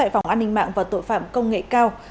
phòng an ninh mạng và tội phạm công nghệ cao